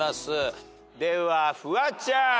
ではフワちゃん。